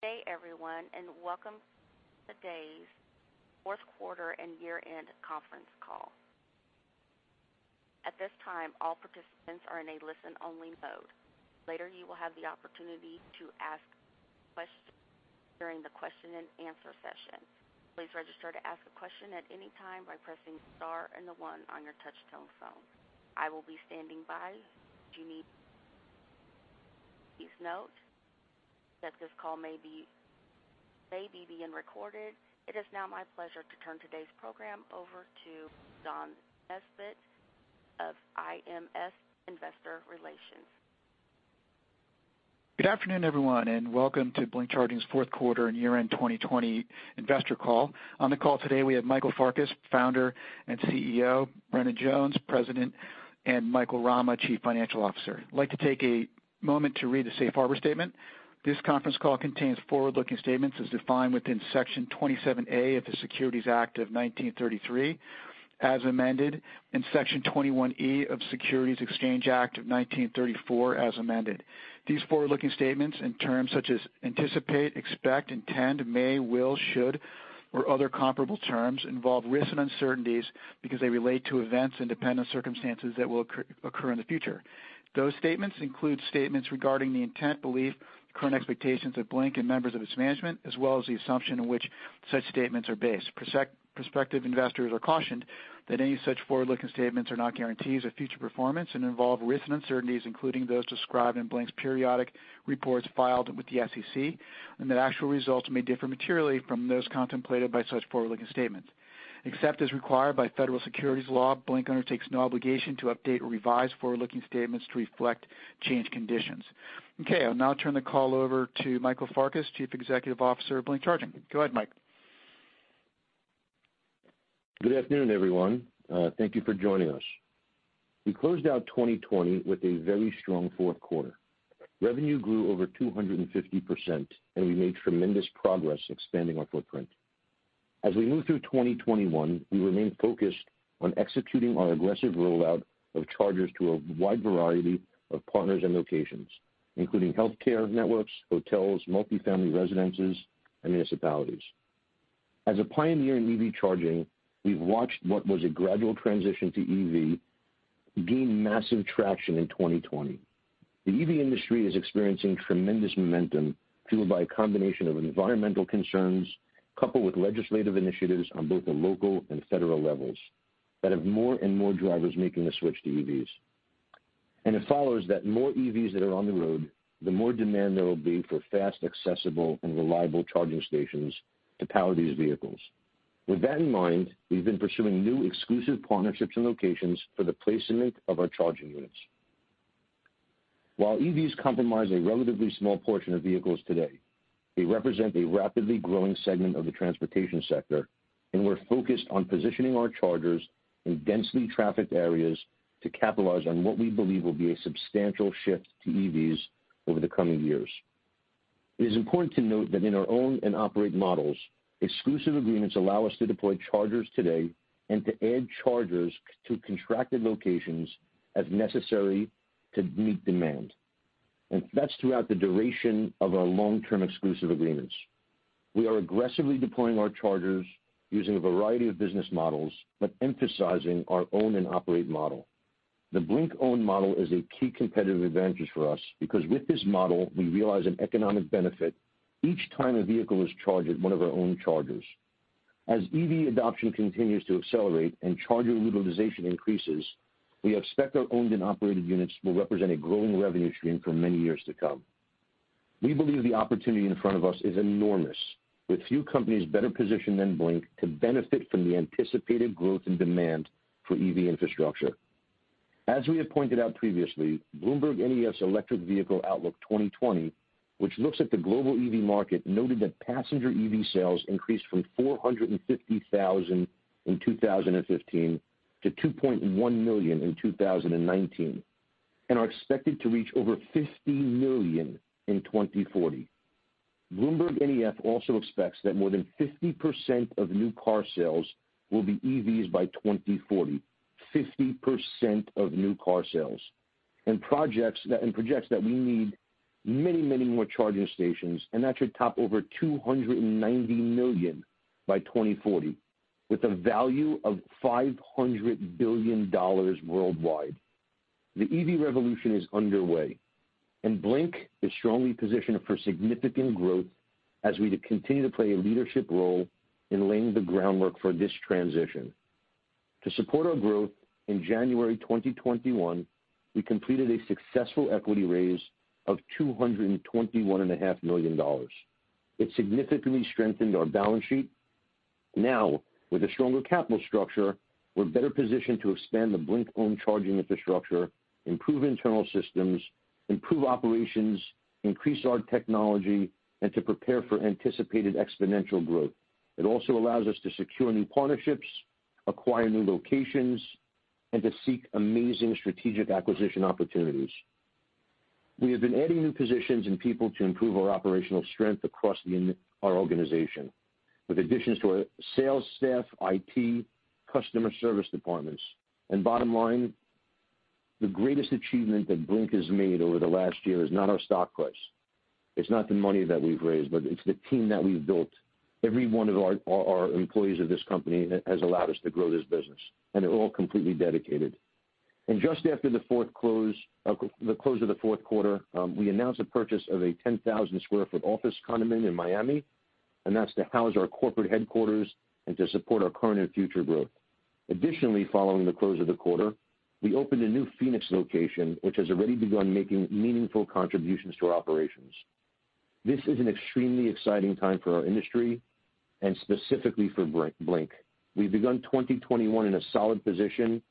Good day everyone, welcome to today's fourth quarter and year-end conference call. At this time, all participants are in a listen-only mode. Later, you will have the opportunity to ask questions during the question-and-answer session. Please register to ask a question at any time by pressing star and the one on your touch-tone phone. I will be standing by should you need. Please note that this call may be being recorded. It is now my pleasure to turn today's program over to John Nesbett of IMS Investor Relations. Good afternoon, everyone, and welcome to Blink Charging's fourth quarter and year-end 2020 investor call. On the call today, we have Michael Farkas, Founder and CEO, Brendan Jones, President, and Michael Rama, Chief Financial Officer. I'd like to take a moment to read the safe harbor statement. This conference call contains forward-looking statements as defined within Section 27A of the Securities Act of 1933, as amended, and Section 21E of the Securities Exchange Act of 1934, as amended. These forward-looking statements in terms such as anticipate, expect, intend, may, will, should, or other comparable terms, involve risks and uncertainties because they relate to events and dependent circumstances that will occur in the future. Those statements include statements regarding the intent, belief, current expectations of Blink and members of its management, as well as the assumption in which such statements are based. Prospective investors are cautioned that any such forward-looking statements are not guarantees of future performance and involve risks and uncertainties, including those described in Blink's periodic reports filed with the SEC, and that actual results may differ materially from those contemplated by such forward-looking statements. Except as required by federal securities law, Blink undertakes no obligation to update or revise forward-looking statements to reflect changed conditions. Okay, I'll now turn the call over to Michael Farkas, Chief Executive Officer of Blink Charging. Go ahead, Mike. Good afternoon, everyone. Thank you for joining us. We closed out 2020 with a very strong fourth quarter. Revenue grew over 250%, and we made tremendous progress expanding our footprint. As we move through 2021, we remain focused on executing our aggressive rollout of chargers to a wide variety of partners and locations, including healthcare networks, hotels, multi-family residences, and municipalities. As a pioneer in EV charging, we've watched what was a gradual transition to EV gain massive traction in 2020. The EV industry is experiencing tremendous momentum, fueled by a combination of environmental concerns, coupled with legislative initiatives on both the local and federal levels that have more and more drivers making the switch to EVs. It follows that the more EVs that are on the road, the more demand there will be for fast, accessible, and reliable charging stations to power these vehicles. With that in mind, we've been pursuing new exclusive partnerships and locations for the placement of our charging units. While EVs comprise a relatively small portion of vehicles today, they represent a rapidly growing segment of the transportation sector, and we're focused on positioning our chargers in densely trafficked areas to capitalize on what we believe will be a substantial shift to EVs over the coming years. It is important to note that in our own and operate models, exclusive agreements allow us to deploy chargers today and to add chargers to contracted locations as necessary to meet demand. That's throughout the duration of our long-term exclusive agreements. We are aggressively deploying our chargers using a variety of business models, but emphasizing our own and operate model. The Blink-owned model is a key competitive advantage for us because, with this model, we realize an economic benefit each time a vehicle is charged at one of our own chargers. As EV adoption continues to accelerate and charger utilization increases, we expect our owned and operated units will represent a growing revenue stream for many years to come. We believe the opportunity in front of us is enormous, with few companies better positioned than Blink to benefit from the anticipated growth and demand for EV infrastructure. As we have pointed out previously, BloombergNEF's Electric Vehicle Outlook 2020, which looks at the global EV market, noted that passenger EV sales increased from 450,000 in 2015 to 2.1 million in 2019 and are expected to reach over 50 million in 2040. BloombergNEF also expects that more than 50% of new car sales will be EVs by 2040 and projects that we need many more charging stations, and that should top over 290 million by 2040 with a value of $500 billion worldwide. The EV revolution is underway, and Blink is strongly positioned for significant growth as we continue to play a leadership role in laying the groundwork for this transition. To support our growth, in January 2021, we completed a successful equity raise of $221.5 million. It significantly strengthened our balance sheet. Now, with a stronger capital structure, we're better positioned to expand the Blink-owned charging infrastructure, improve internal systems, improve operations, increase our technology, and to prepare for anticipated exponential growth. It also allows us to secure new partnerships, acquire new locations, and to seek amazing strategic acquisition opportunities. We have been adding new positions and people to improve our operational strength across our organization with additions to our sales staff, IT, customer service departments. Bottom line, the greatest achievement that Blink has made over the last year is not our stock price. It's not the money that we've raised, but it's the team that we've built. Every one of our employees of this company has allowed us to grow this business, and they're all completely dedicated. Just after the close of the fourth quarter, we announced the purchase of a 10,000 sq ft office condominium in Miami, and that's to house our corporate headquarters and to support our current and future growth. Additionally, following the close of the quarter, we opened a new Phoenix location, which has already begun making meaningful contributions to our operations. This is an extremely exciting time for our industry and specifically for Blink. We've begun 2021 in a solid position,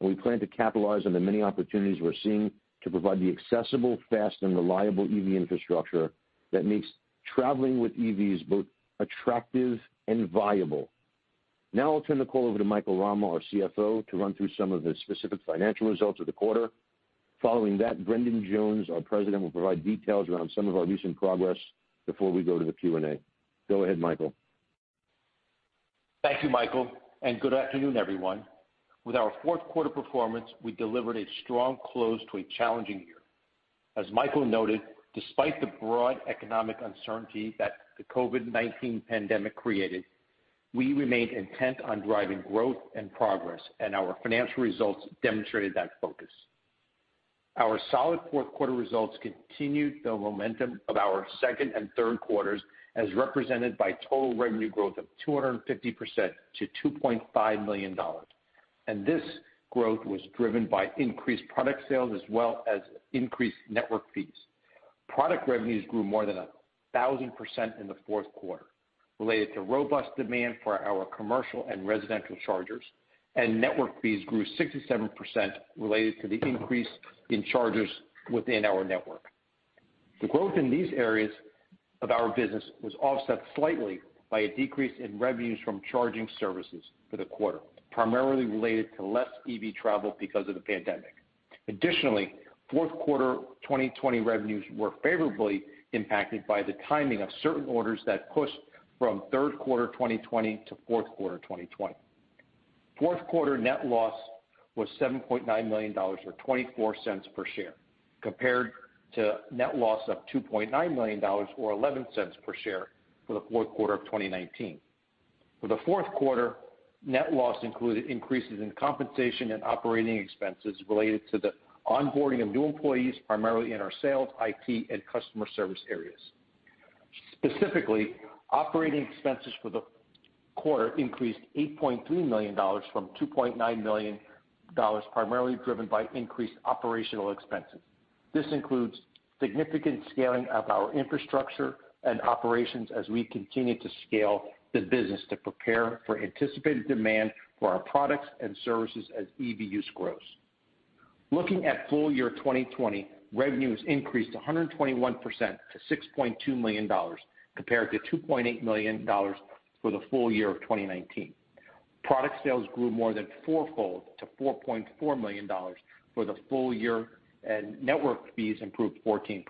and we plan to capitalize on the many opportunities we're seeing to provide the accessible, fast and reliable EV infrastructure that makes traveling with EVs both attractive and viable. Now I'll turn the call over to Michael Rama, our CFO, to run through some of the specific financial results of the quarter. Following that, Brendan Jones, our President, will provide details around some of our recent progress before we go to the Q&A. Go ahead, Michael. Thank you, Michael, and good afternoon, everyone. With our fourth quarter performance, we delivered a strong close to a challenging year. As Michael noted, despite the broad economic uncertainty that the COVID-19 pandemic created, we remained intent on driving growth and progress, and our financial results demonstrated that focus. Our solid fourth quarter results continued the momentum of our second and third quarters, as represented by total revenue growth of 250% to $2.5 million. This growth was driven by increased product sales as well as increased network fees. Product revenues grew more than 1,000% in the fourth quarter, related to robust demand for our commercial and residential chargers, and network fees grew 67% related to the increase in chargers within our network. The growth in these areas of our business was offset slightly by a decrease in revenues from charging services for the quarter, primarily related to less EV travel because of the pandemic. Additionally, fourth quarter 2020 revenues were favorably impacted by the timing of certain orders that pushed from third quarter 2020 to fourth quarter 2020. Fourth quarter net loss was $7.9 million, or $0.24 per share, compared to net loss of $2.9 million, or $0.11 per share for the fourth quarter of 2019. For the fourth quarter, net loss included increases in compensation and operating expenses related to the onboarding of new employees, primarily in our sales, IT, and customer service areas. Specifically, operating expenses for the quarter increased to $8.3 million from $2.9 million, primarily driven by increased operational expenses. This includes significant scaling of our infrastructure and operations as we continue to scale the business to prepare for anticipated demand for our products and services as EV use grows. Looking at full year 2020, revenues increased 121% to $6.2 million, compared to $2.8 million for the full year of 2019. Product sales grew more than four-fold to $4.4 million for the full year, and network fees improved 14%.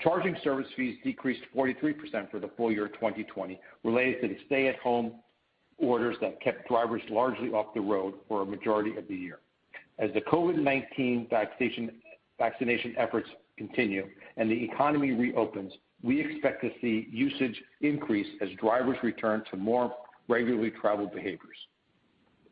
Charging service fees decreased 43% for the full year 2020, related to the stay-at-home orders that kept drivers largely off the road for a majority of the year. As the COVID-19 vaccination efforts continue and the economy reopens, we expect to see usage increase as drivers return to more regularly traveled behaviors.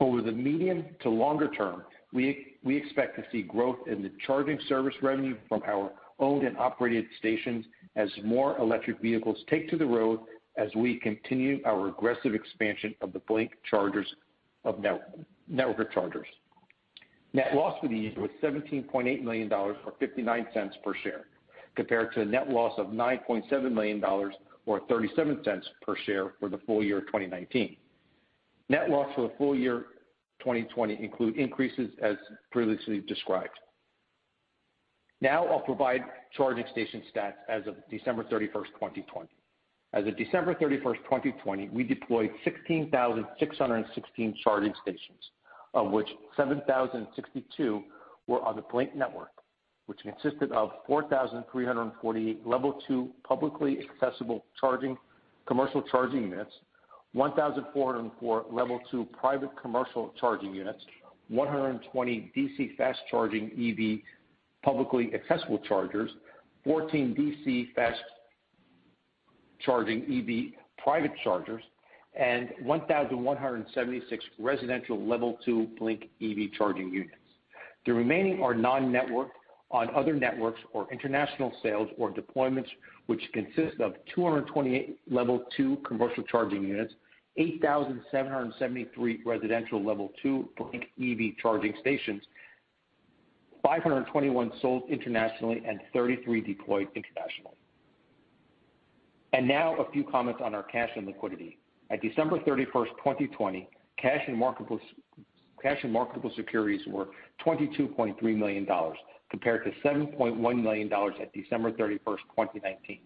Over the medium to longer term, we expect to see growth in the charging service revenue from our owned and operated stations as more electric vehicles take to the road as we continue our aggressive expansion of the Blink Network chargers. Net loss for the year was $17.8 million, or $0.59 per share, compared to a net loss of $9.7 million or $0.37 per share for the full year 2019. Net loss for the full year 2020 include increases as previously described. I'll provide charging station stats as of December 31st, 2020. As of December 31st, 2020, we deployed 16,616 charging stations, of which 7,062 were on the Blink Network, which consisted of 4,348 Level 2 publicly accessible commercial charging units, 1,404 Level 2 private commercial charging units, 120 DC fast charging EV publicly accessible chargers, 14 DC fast charging EV private chargers, and 1,176 residential Level 2 Blink EV charging units. The remaining are non-network, on other networks or international sales or deployments which consist of 228 Level 2 commercial charging units, 8,773 residential Level 2 Blink EV charging stations, 521 sold internationally, and 33 deployed internationally. Now a few comments on our cash and liquidity. At December 31st, 2020, cash and marketable securities were $22.3 million, compared to $7.1 million at December 31st, 2019.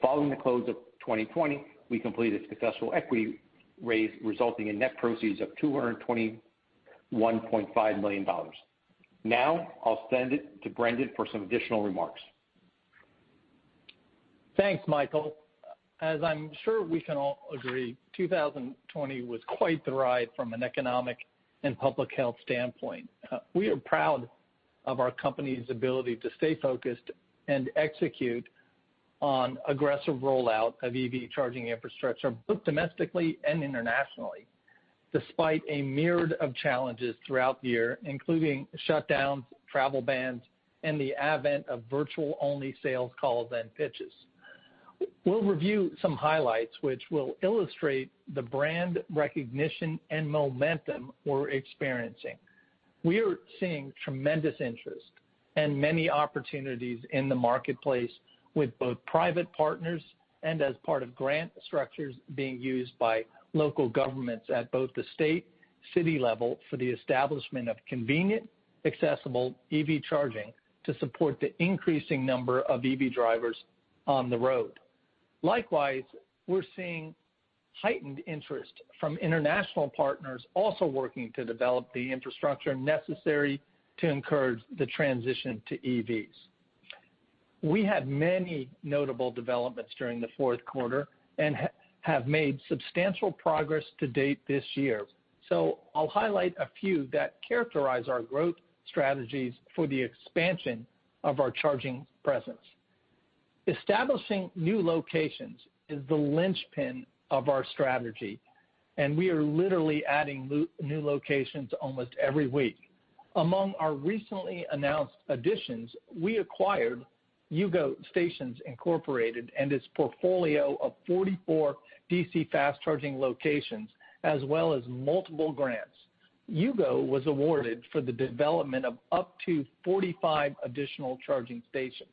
Following the close of 2020, we completed a successful equity raise, resulting in net proceeds of $221.5 million. Now I'll send it to Brendan for some additional remarks. Thanks, Michael. As I'm sure we can all agree, 2020 was quite the ride from an economic and public health standpoint. We are proud of our company's ability to stay focused and execute on aggressive rollout of EV charging infrastructure, both domestically and internationally, despite a myriad of challenges throughout the year, including shutdowns, travel bans, and the advent of virtual-only sales calls and pitches. We'll review some highlights which will illustrate the brand recognition and momentum we're experiencing. We are seeing tremendous interest and many opportunities in the marketplace with both private partners and as part of grant structures being used by local governments at both the state, city level for the establishment of convenient, accessible EV charging to support the increasing number of EV drivers on the road. Likewise, we're seeing heightened interest from international partners also working to develop the infrastructure necessary to encourage the transition to EVs. We had many notable developments during the fourth quarter and have made substantial progress to date this year. I'll highlight a few that characterize our growth strategies for the expansion of our charging presence. Establishing new locations is the linchpin of our strategy, and we are literally adding new locations almost every week. Among our recently announced additions, we acquired U-Go Stations, Inc. and its portfolio of 44 DC fast charging locations, as well as multiple grants. U-Go was awarded for the development of up to 45 additional charging stations.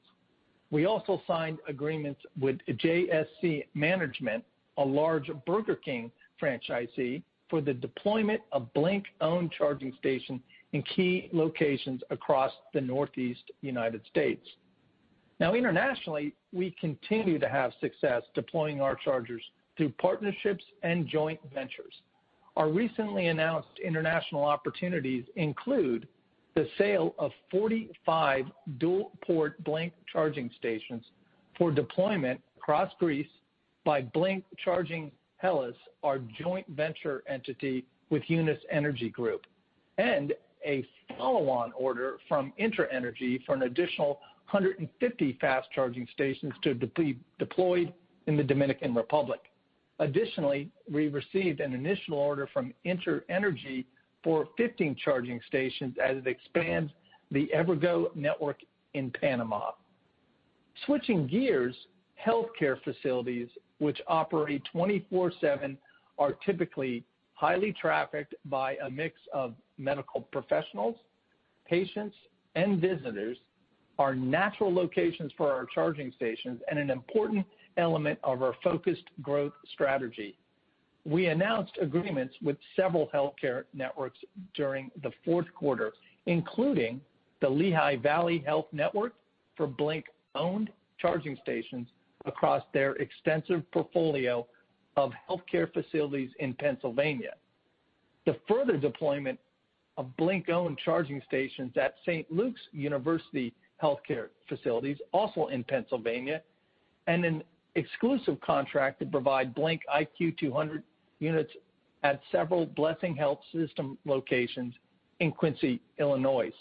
We also signed agreements with JSC Management, a large Burger King franchisee, for the deployment of Blink-owned charging stations in key locations across the Northeast United States. Internationally, we continue to have success deploying our chargers through partnerships and joint ventures. Our recently announced international opportunities include the sale of 45 dual port Blink Charging stations for deployment across Greece by Blink Charging Hellas, our joint venture entity with Eunice Energy Group, and a follow-on order from InterEnergy for an additional 150 fast charging stations to be deployed in the Dominican Republic. We received an initial order from InterEnergy for 15 charging stations as it expands the Evergo network in Panama. Switching gears, healthcare facilities which operate 24/7 are typically highly trafficked by a mix of medical professionals, patients, and visitors, are natural locations for our charging stations and an important element of our focused growth strategy. We announced agreements with several healthcare networks during the fourth quarter, including the Lehigh Valley Health Network for Blink-owned charging stations across their extensive portfolio of healthcare facilities in Pennsylvania, the further deployment of Blink-owned charging stations at St. Luke's University Health facilities, also in Pennsylvania, and an exclusive contract to provide Blink IQ 200 units at several Blessing Health System locations in Quincy, Illinois.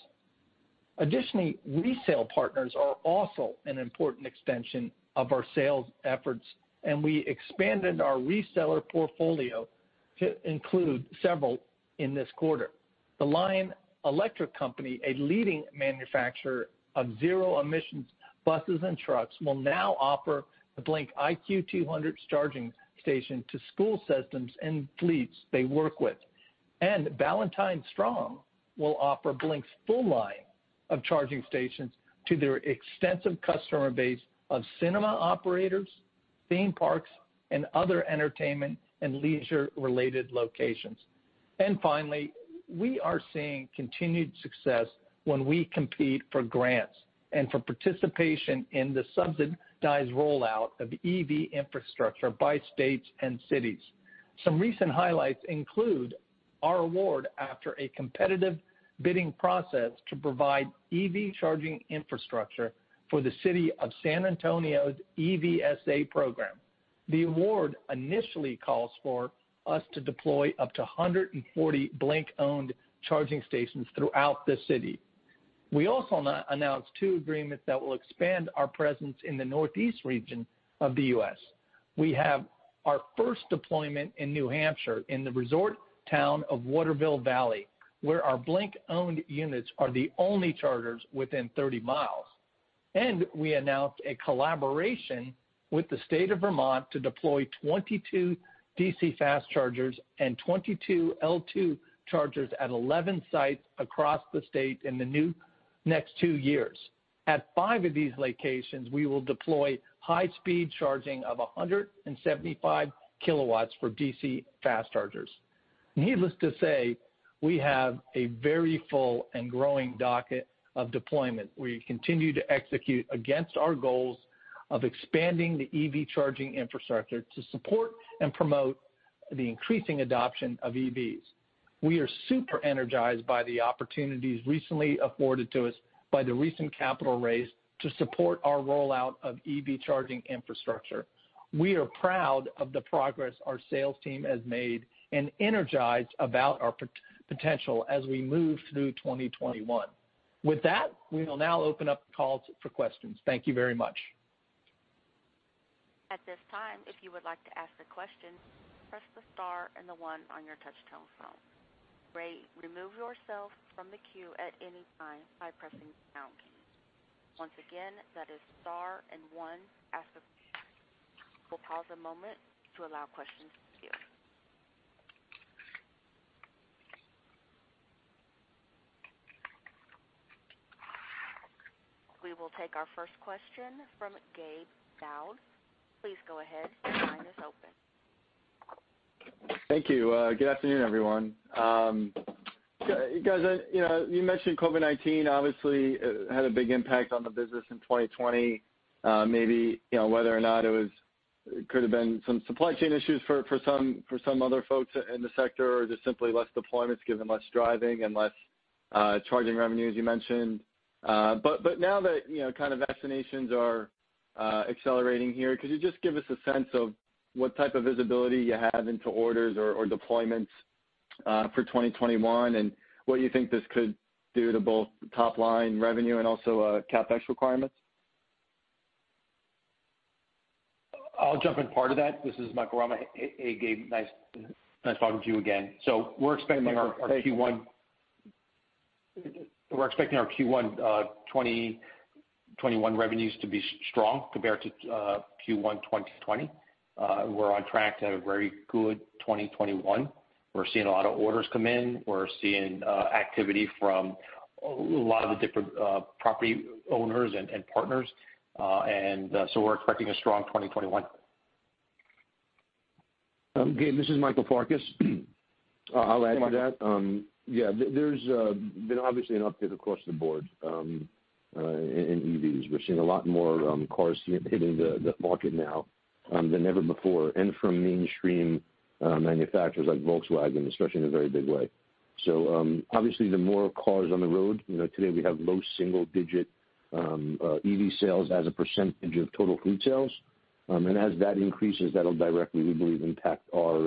Additionally, resale partners are also an important extension of our sales efforts, and we expanded our reseller portfolio to include several in this quarter. The Lion Electric Company, a leading manufacturer of zero-emissions buses and trucks, will now offer the Blink IQ 200 charging station to school systems and fleets they work with. Ballantyne Strong will offer Blink's full line of charging stations to their extensive customer base of cinema operators, theme parks, and other entertainment and leisure-related locations. Finally, we are seeing continued success when we compete for grants and for participation in the subsidized rollout of EV infrastructure by states and cities. Some recent highlights include our award after a competitive bidding process to provide EV charging infrastructure for the city of San Antonio's EVSA program. The award initially calls for us to deploy up to 140 Blink-owned charging stations throughout the city. We also announced two agreements that will expand our presence in the Northeast region of the U.S. We have our first deployment in New Hampshire in the resort town of Waterville Valley, where our Blink-owned units are the only chargers within 30 mi. We announced a collaboration with the state of Vermont to deploy 22 DC fast chargers and 22 L2 chargers at 11 sites across the state in the next two years. At five of these locations, we will deploy high-speed charging of 175 kW for DC fast chargers. Needless to say, we have a very full and growing docket of deployment. We continue to execute against our goals of expanding the EV charging infrastructure to support and promote the increasing adoption of EVs. We are super energized by the opportunities recently afforded to us by the recent capital raise to support our rollout of EV charging infrastructure. We are proud of the progress our sales team has made and energized about our potential as we move through 2021. With that, we will now open up calls for questions. Thank you very much. At this time if you would like to ask a question, press the star and the one on your touch-tone phone. Remove yourself from the queue at any time press the pound key. Once again it is star and one to ask a question. We will pause for a moment to allow questions to appear. We will take our first question from Gabe Daoud. Please go ahead. Your line is open. Thank you. Good afternoon, everyone. You guys, you mentioned COVID-19 obviously had a big impact on the business in 2020. Maybe, whether or not it could have been some supply chain issues for some other folks in the sector, or just simply less deployments given less driving and less charging revenue, as you mentioned. Now that vaccinations are accelerating here, could you just give us a sense of what type of visibility you have into orders or deployments for 2021, and what you think this could do to both top-line revenue and also CapEx requirements? I'll jump in part of that. This is Michael Rama. Hey, Gabe. Nice talking to you again. We're expecting our Q1 2021 revenues to be strong compared to Q1 2020. We're on track to have a very good 2021. We're seeing a lot of orders come in. We're seeing activity from a lot of the different property owners and partners. We're expecting a strong 2021. Gabe, this is Michael Farkas. I'll add to that. Yeah, there's been obviously an uptick across the board in EVs. We're seeing a lot more cars hitting the market now than ever before, and from mainstream manufacturers like Volkswagen, especially, in a very big way. Obviously, the more cars on the road, today we have low single-digit EV sales as a percentage of total fleet sales. As that increases, that'll directly, we believe, impact our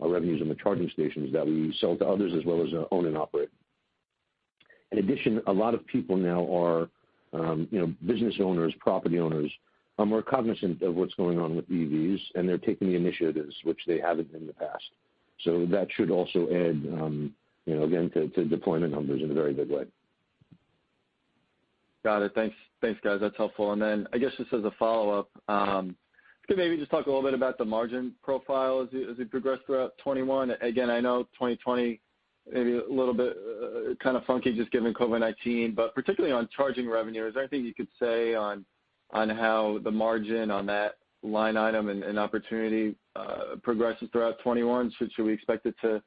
revenues on the charging stations that we sell to others, as well as own and operate. In addition, a lot of people now are business owners, property owners, are more cognizant of what's going on with EVs, and they're taking the initiatives, which they haven't in the past. That should also add, again, to deployment numbers in a very big way. Got it. Thanks, guys. That's helpful. Then I guess just as a follow-up, could maybe just talk a little bit about the margin profile as we progress throughout 2021. Again, I know 2020 may be a little bit kind of funky just given COVID-19, but particularly on charging revenue. Is there anything you could say on how the margin on that line item and opportunity progresses throughout 2021? Should we expect it to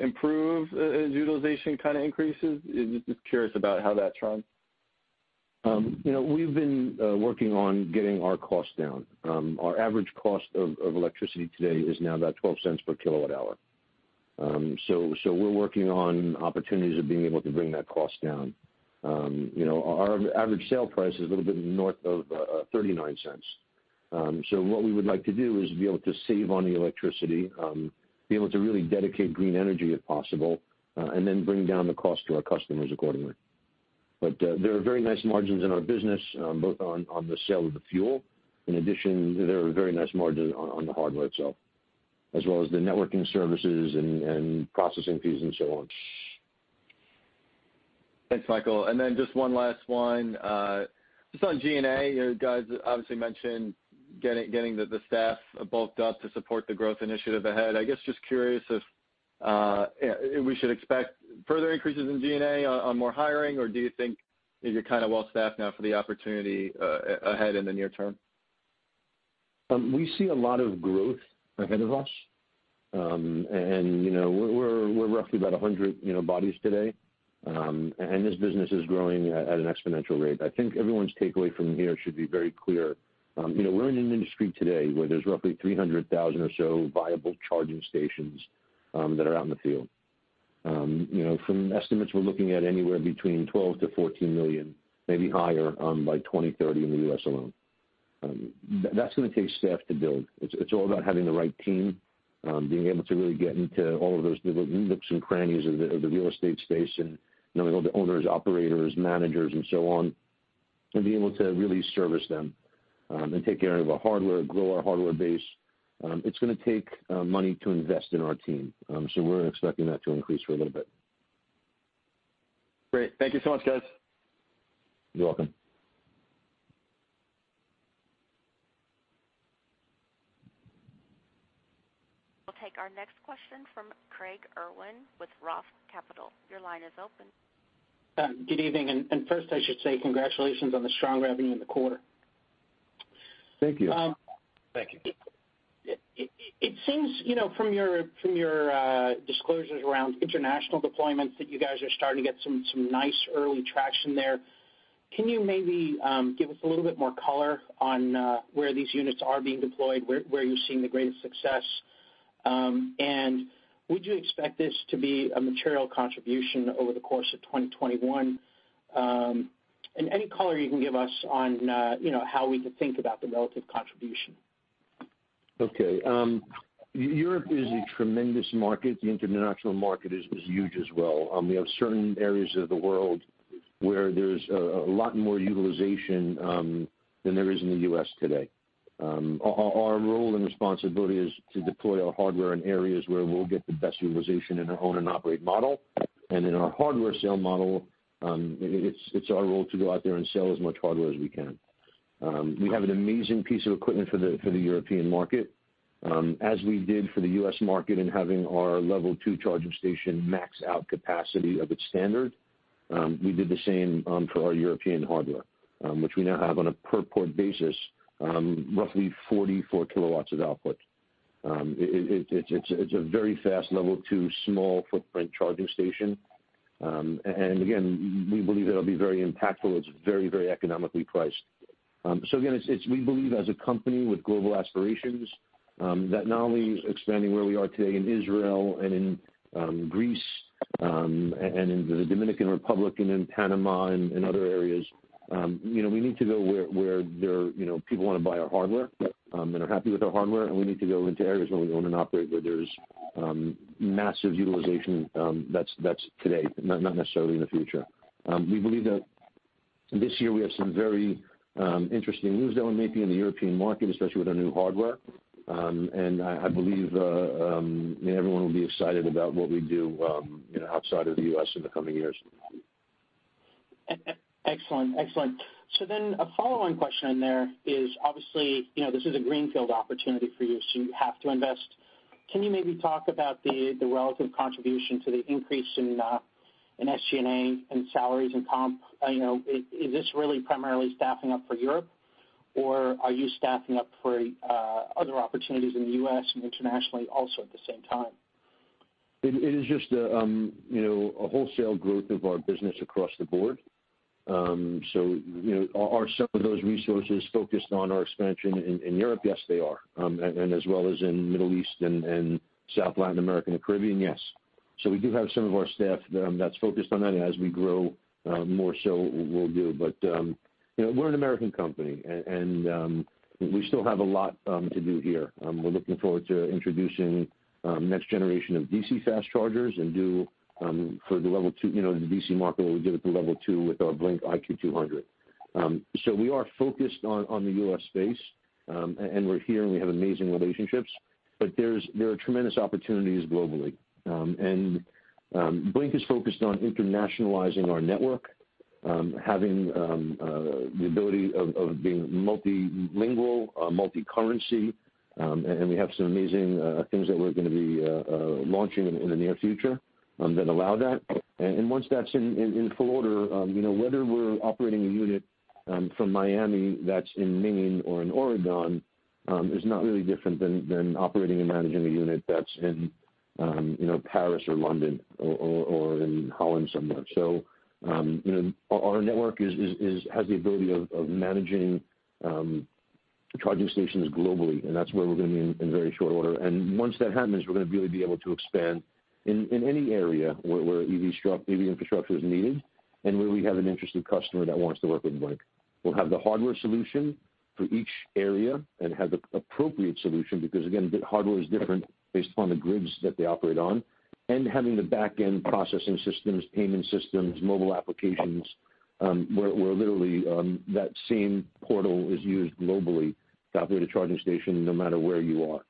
improve as utilization kind of increases? Just curious about how that trends. We've been working on getting our costs down. Our average cost of electricity today is now about $0.12 per kilowatt-hour We're working on opportunities of being able to bring that cost down. Our average sale price is a little bit north of $0.39. What we would like to do is be able to save on the electricity, be able to really dedicate green energy if possible, and then bring down the cost to our customers accordingly. There are very nice margins in our business, both on the sale of the fuel. In addition, there are very nice margins on the hardware itself, as well as the networking services and processing fees and so on. Thanks, Michael. Then just one last one. Just on G&A, you guys obviously mentioned getting the staff bulked up to support the growth initiative ahead. I guess, just curious if we should expect further increases in G&A on more hiring, or do you think you're kind of well-staffed now for the opportunity ahead in the near term? We see a lot of growth ahead of us. We're roughly about 100 bodies today. This business is growing at an exponential rate. I think everyone's takeaway from here should be very clear. We're in an industry today where there's roughly 300,000 or so viable charging stations that are out in the field. From estimates, we're looking at anywhere between 12 million-14 million, maybe higher, by 2030 in the U.S. alone. That's going to take staff to build. It's all about having the right team, being able to really get into all of those little nooks and crannies of the real estate space and knowing all the owners, operators, managers, and so on, and be able to really service them and take care of our hardware, grow our hardware base. It's going to take money to invest in our team. We're expecting that to increase for a little bit. Great. Thank you so much, guys. You're welcome. We'll take our next question from Craig Irwin with ROTH Capital. Your line is open. Good evening. First, I should say congratulations on the strong revenue in the quarter. Thank you. Thank you. It seems from your disclosures around international deployments that you guys are starting to get some nice early traction there. Can you maybe give us a little bit more color on where these units are being deployed, where you're seeing the greatest success, and would you expect this to be a material contribution over the course of 2021? Any color you can give us on how we could think about the relative contribution? Okay. Europe is a tremendous market. The international market is as huge as well. We have certain areas of the world where there's a lot more utilization than there is in the U.S. today. Our role and responsibility is to deploy our hardware in areas where we'll get the best utilization in our own and operate model. In our hardware sale model, it's our role to go out there and sell as much hardware as we can. We have an amazing piece of equipment for the European market. As we did for the U.S. market in having our Level 2 charging station max out capacity of its standard, we did the same for our European hardware, which we now have on a per port basis, roughly 44 kW of output. It's a very fast Level 2 small footprint charging station. Again, we believe it'll be very impactful. It's very economically priced. Again, we believe as a company with global aspirations, that not only expanding where we are today in Israel and in Greece, and in the Dominican Republic and in Panama and other areas, we need to go where people want to buy our hardware, and are happy with our hardware, and we need to go into areas where we own and operate, where there's massive utilization that's today, not necessarily in the future. We believe that this year we have some very interesting moves that we're making in the European market, especially with our new hardware. I believe everyone will be excited about what we do outside of the U.S. in the coming years. Excellent. A follow-on question there is obviously, this is a greenfield opportunity for you, so you have to invest. Can you maybe talk about the relative contribution to the increase in SG&A and salaries and comp? Is this really primarily staffing up for Europe, or are you staffing up for other opportunities in the U.S. and internationally also at the same time? It is just a wholesale growth of our business across the board. Are some of those resources focused on our expansion in Europe? Yes, they are. As well as in Middle East and South Latin American and Caribbean, yes. We do have some of our staff that's focused on that, and as we grow more so will do. We're an American company, and we still have a lot to do here. We're looking forward to introducing next generation of DC fast chargers and do for the Level 2, the DC market where we get up to Level 2 with our Blink IQ 200. We are focused on the U.S. space, and we're here, and we have amazing relationships, but there are tremendous opportunities globally. Blink is focused on internationalizing our network, having the ability of being multilingual, multi-currency, and we have some amazing things that we're going to be launching in the near future that allow that. Once that's in full order, whether we're operating a unit from Miami that's in Maine or in Oregon, is not really different than operating and managing a unit that's in Paris or London or in Holland somewhere. Our network has the ability of managing charging stations globally, and that's where we're going to be in very short order. Once that happens, we're going to really be able to expand in any area where EV infrastructure is needed, and where we have an interested customer that wants to work with Blink. We'll have the hardware solution for each area and have the appropriate solution because, again, hardware is different based upon the grids that they operate on. Having the back-end processing systems, payment systems, mobile applications, where literally that same portal is used globally to operate a charging station no matter where you are.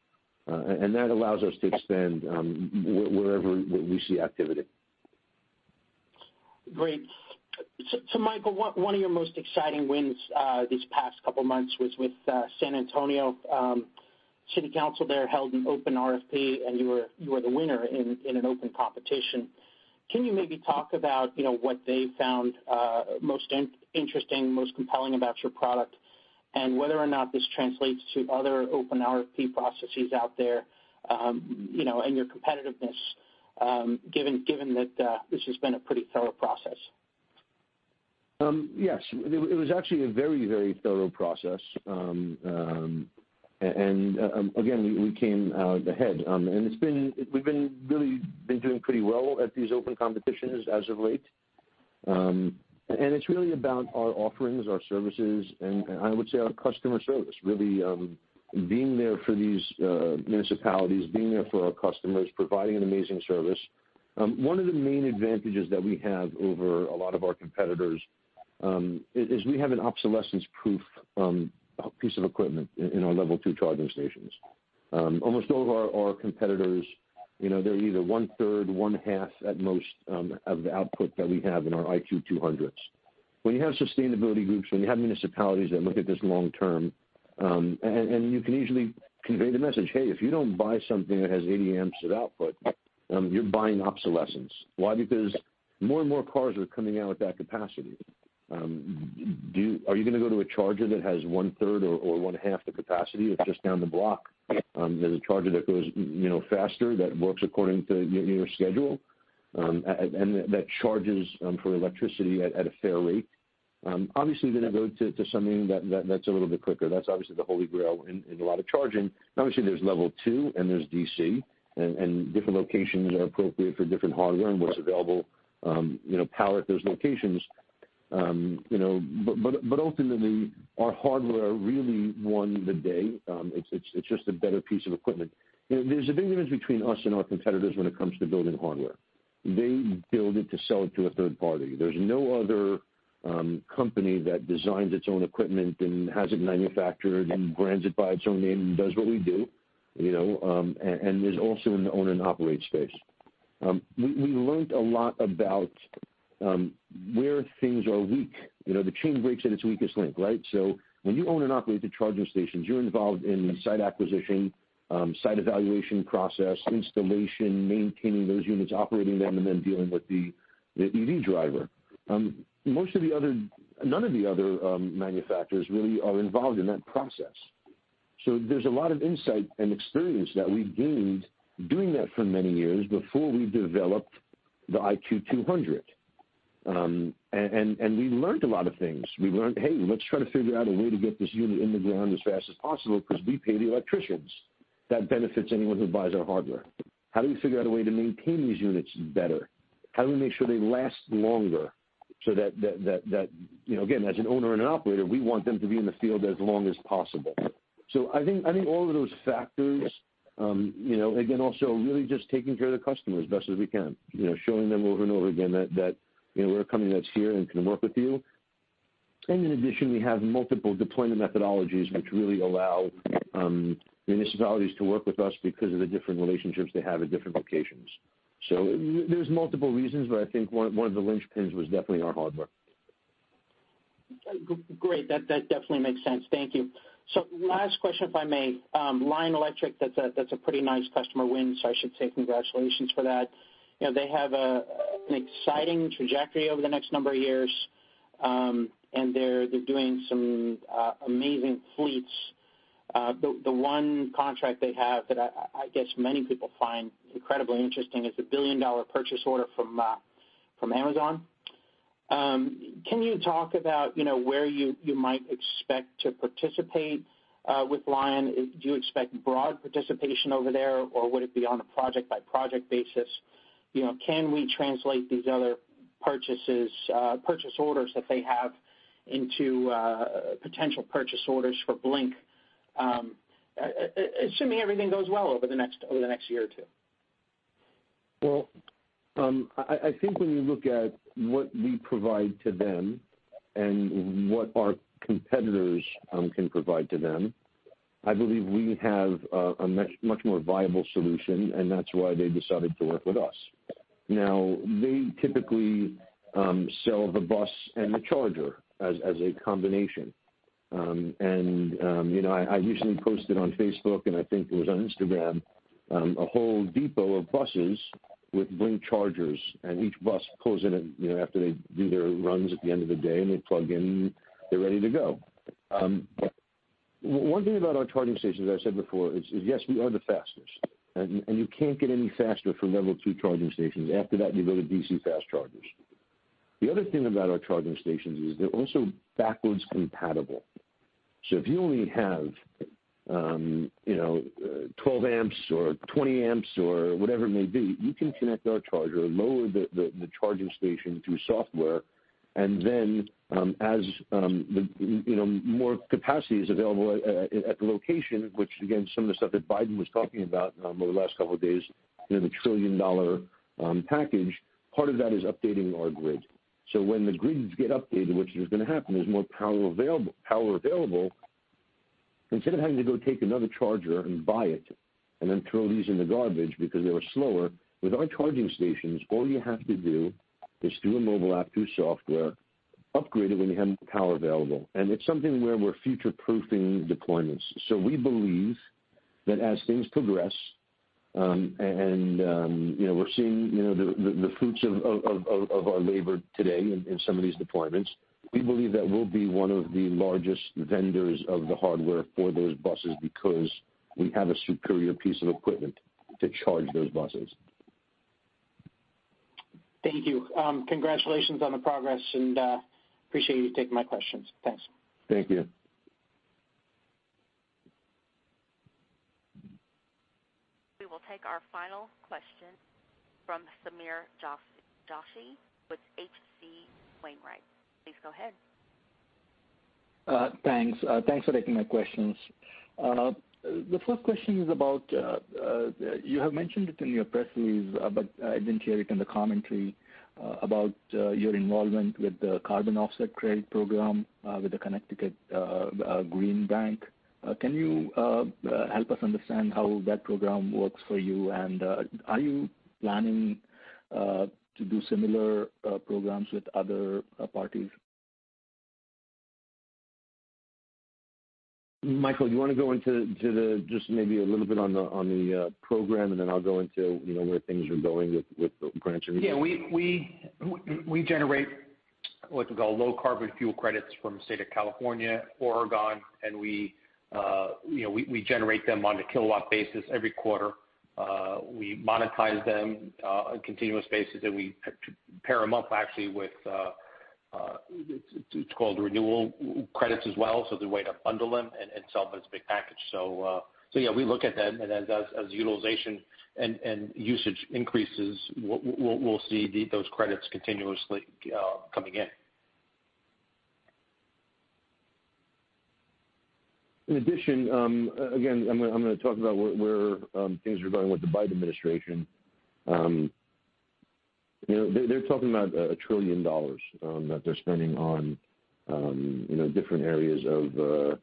That allows us to expand wherever we see activity. Great. Michael, one of your most exciting wins these past couple of months was with San Antonio. City Council there held an open RFP and you were the winner in an open competition. Can you maybe talk about what they found most interesting, most compelling about your product, and whether or not this translates to other open RFP processes out there, and your competitiveness, given that this has been a pretty thorough process? Yes. It was actually a very thorough process. Again, we came out ahead. We've been really doing pretty well at these open competitions as of late. It's really about our offerings, our services, and I would say our customer service, really being there for these municipalities, being there for our customers, providing an amazing service. One of the main advantages that we have over a lot of our competitors, is we have an obsolescence-proof piece of equipment in our Level 2 charging stations. Almost all of our competitors, they're either one third, one half at most, of the output that we have in our IQ 200s. When you have sustainability groups, when you have municipalities that look at this long term, you can easily convey the message, "Hey, if you don't buy something that has 80 A of output, you're buying obsolescence." Why? More and more cars are coming out with that capacity. Are you going to go to a charger that has one third or one half the capacity that's just down the block? There's a charger that goes faster that works according to your schedule, and that charges for electricity at a fair rate. Obviously, you're going to go to something that's a little bit quicker. That's obviously the holy grail in a lot of charging. Obviously, there's Level 2 and there's DC, and different locations are appropriate for different hardware and what's available, power at those locations. Ultimately, our hardware really won the day. It's just a better piece of equipment. There's a big difference between us and our competitors when it comes to building hardware. They build it to sell it to a third party. There's no other company that designs its own equipment and has it manufactured and brands it by its own name and does what we do, and is also in the own and operate space. We learned a lot about where things are weak. The chain breaks at its weakest link, right? When you own and operate the charging stations, you're involved in the site acquisition, site evaluation process, installation, maintaining those units, operating them, and then dealing with the EV driver. None of the other manufacturers really are involved in that process. There's a lot of insight and experience that we gained doing that for many years before we developed the IQ 200. We learned a lot of things. We learned, hey, let's try to figure out a way to get this unit in the ground as fast as possible because we pay the electricians. That benefits anyone who buys our hardware. How do we figure out a way to maintain these units better? How do we make sure they last longer so that, again, as an owner and an operator, we want them to be in the field as long as possible. I think all of those factors, again, also really just taking care of the customer as best as we can. Showing them over and over again that we're a company that's here and can work with you. In addition, we have multiple deployment methodologies which really allow municipalities to work with us because of the different relationships they have at different locations. There's multiple reasons, but I think one of the linchpins was definitely our hardware. Great. That definitely makes sense. Thank you. Last question, if I may. Lion Electric, that's a pretty nice customer win, so I should say congratulations for that. They have an exciting trajectory over the next number of years, and they're doing some amazing fleets. The one contract they have that I guess many people find incredibly interesting is the $1 billion purchase order from Amazon. Can you talk about where you might expect to participate with Lion? Do you expect broad participation over there, or would it be on a project-by-project basis? Can we translate these other purchase orders that they have into potential purchase orders for Blink, assuming everything goes well over the next year or two? I think when you look at what we provide to them and what our competitors can provide to them, I believe we have a much more viable solution, and that's why they decided to work with us. I recently posted on Facebook, and I think it was on Instagram, a whole depot of buses with Blink chargers, each bus pulls in after they do their runs at the end of the day, and they plug in, and they're ready to go. One thing about our charging stations, as I said before, is, yes, we are the fastest, and you can't get any faster from Level 2 charging stations. After that, you go to DC fast chargers. The other thing about our charging stations is they're also backwards compatible. If you only have 12 A or 20 A or whatever it may be, you can connect our charger, lower the charging station through software, and then as more capacity is available at the location, which again, some of the stuff that Biden was talking about over the last couple of days, the trillion-dollar package, part of that is updating our grid. When the grids get updated, which is going to happen, there's more power available. Instead of having to go take another charger and buy it and then throw these in the garbage because they were slower, with our charging stations, all you have to do is through a mobile app, through software, upgrade it when you have more power available. It's something where we're future-proofing deployments. We believe that as things progress, and we're seeing the fruits of our labor today in some of these deployments, we believe that we'll be one of the largest vendors of the hardware for those buses because we have a superior piece of equipment to charge those buses. Thank you. Congratulations on the progress, appreciate you taking my questions. Thanks. Thank you. We will take our final question from Sameer Joshi with H.C. Wainwright. Please go ahead. Thanks for taking my questions. The first question is about, you have mentioned it in your press release, but I didn't hear it in the commentary, about your involvement with the carbon offset credit project with the Connecticut Green Bank. Can you help us understand how that program works for you? Are you planning to do similar programs with other parties? Michael, you want to go into just maybe a little bit on the program, then I'll go into where things are going with grants and rebates? Yeah. We generate what you call Low Carbon Fuel credits from the state of California, Oregon, and we generate them on a kilowatt basis every quarter. We monetize them on a continuous basis, and we pair them up actually with, it's called Renewable Energy Credits as well. The way to bundle them and sell them as a big package. Yeah, we look at them and then as utilization and usage increases, we'll see those credits continuously coming in. In addition again, I'm going to talk about where things are going with the Biden administration. They are talking about $1 trillion that they are spending on different areas of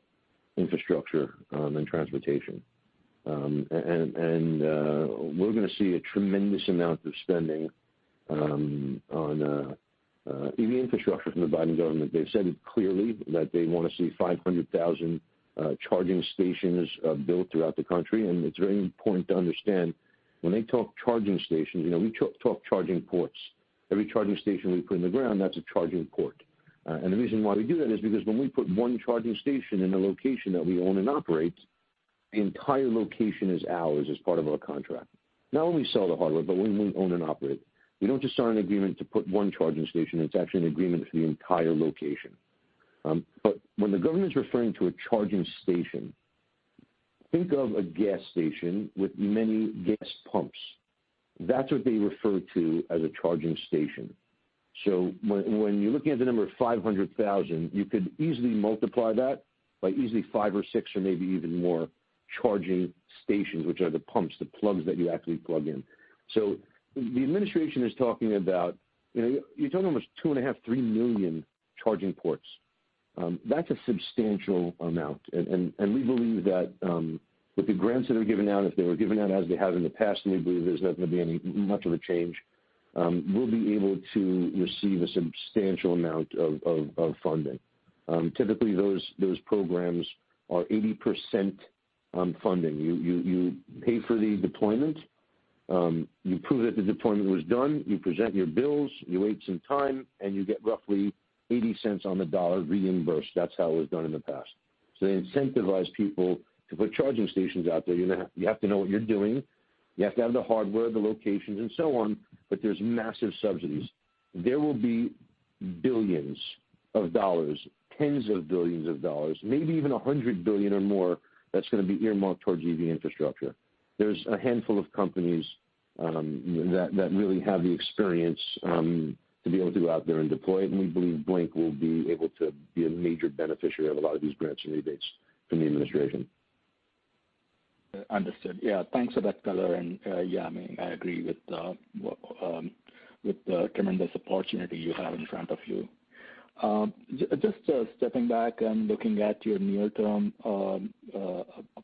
infrastructure and transportation. We are going to see a tremendous amount of spending on EV infrastructure from the Biden government. They have said it clearly that they want to see 500,000 charging stations built throughout the country. It is very important to understand when they talk charging stations, we talk charging ports. Every charging station we put in the ground, that is a charging port. The reason why we do that is because when we put one charging station in a location that we own and operate, the entire location is ours as part of our contract. Not only sell the hardware, but we own and operate. We do not just sign an agreement to put one charging station. It's actually an agreement for the entire location. When the government's referring to a charging station, think of a gas station with many gas pumps. That's what they refer to as a charging station. When you're looking at the number 500,000, you could easily multiply that by easily five or six or maybe even more charging stations, which are the pumps, the plugs that you actually plug in. The administration is talking about almost two and a half, three million charging ports. That's a substantial amount. We believe that with the grants that are given out, if they were given out as they have in the past, and we believe there's not going to be much of a change, we'll be able to receive a substantial amount of funding. Typically, those programs are 80% funding. You pay for the deployment, you prove that the deployment was done, you present your bills, you wait some time, and you get roughly $0.80 on the dollar reimbursed. That's how it was done in the past. They incentivize people to put charging stations out there. You have to know what you're doing. You have to have the hardware, the locations and so on, but there's massive subsidies. There will be billions of dollars, tens of billions of dollars, maybe even $100 billion or more, that's gonna be earmarked towards EV infrastructure. There's a handful of companies that really have the experience to be able to go out there and deploy it. We believe Blink will be able to be a major beneficiary of a lot of these grants and rebates from the administration. Understood. Yeah. Thanks for that color. Yeah, I agree with the tremendous opportunity you have in front of you. Just stepping back and looking at your near-term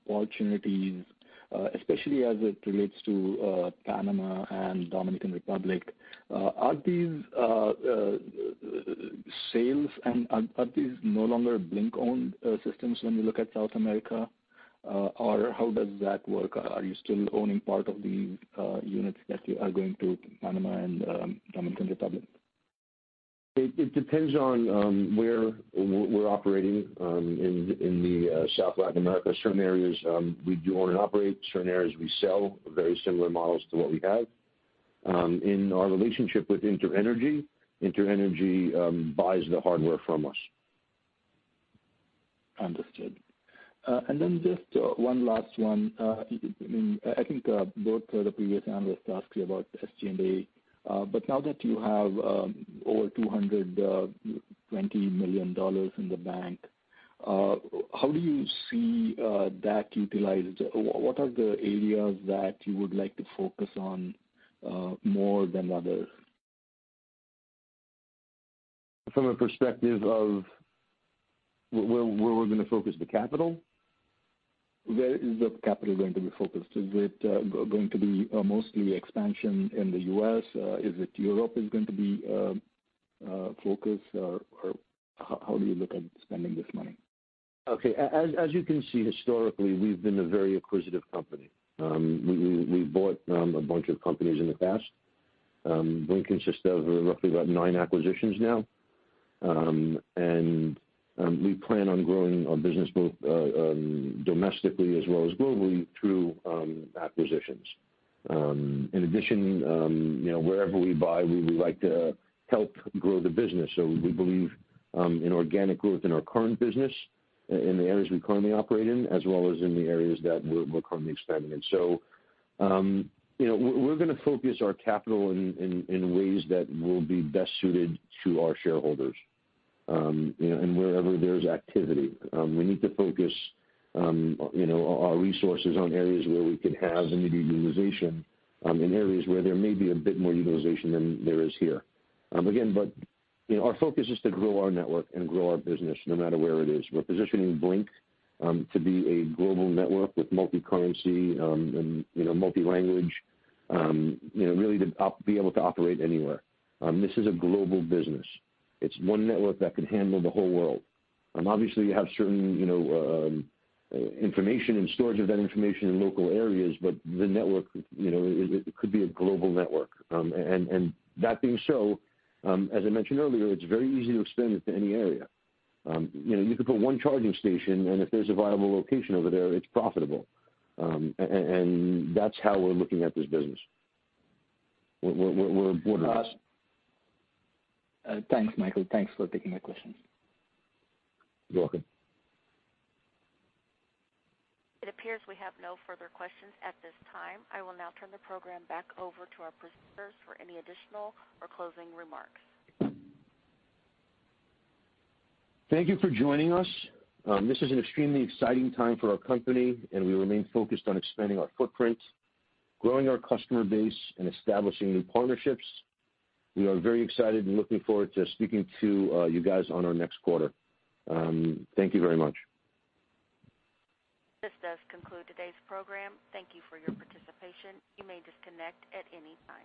opportunities, especially as it relates to Panama and Dominican Republic, are these sales and are these no longer Blink-owned systems when you look at South America? How does that work? Are you still owning part of the units that are going to Panama and Dominican Republic? It depends on where we're operating in the South Latin America. Certain areas we do own and operate. Certain areas we sell very similar models to what we have. In our relationship with InterEnergy buys the hardware from us. Understood. Just one last one. I think both the previous analysts asked you about SG&A. Now that you have over $220 million in the bank, how do you see that utilized? What are the areas that you would like to focus on more than others? From a perspective of where we're gonna focus the capital? Where is the capital going to be focused? Is it going to be mostly expansion in the U.S.? Is it Europe is going to be focus, or how do you look at spending this money? Okay. As you can see, historically, we've been a very acquisitive company. We bought a bunch of companies in the past. Blink consists of roughly about nine acquisitions now. We plan on growing our business both domestically as well as globally through acquisitions. In addition, wherever we buy, we would like to help grow the business. We believe in organic growth in our current business, in the areas we currently operate in, as well as in the areas that we're currently expanding in. We're gonna focus our capital in ways that will be best suited to our shareholders. Wherever there's activity, we need to focus our resources on areas where we can have immediate utilization in areas where there may be a bit more utilization than there is here. Again, our focus is to grow our network and grow our business no matter where it is. We're positioning Blink to be a global network with multi-currency and multi-language really to be able to operate anywhere. This is a global business. It's one network that can handle the whole world. Obviously, you have certain information and storage of that information in local areas, the network could be a global network. That being so, as I mentioned earlier, it's very easy to expand it to any area. You could put one charging station, if there's a viable location over there, it's profitable. That's how we're looking at this business. We're borderless. Thanks, Michael. Thanks for taking my questions. You're welcome. It appears we have no further questions at this time. I will now turn the program back over to our presenters for any additional or closing remarks. Thank you for joining us. This is an extremely exciting time for our company. We remain focused on expanding our footprint, growing our customer base, and establishing new partnerships. We are very excited and looking forward to speaking to you guys on our next quarter. Thank you very much. This does conclude today's program. Thank you for your participation. You may disconnect at any time.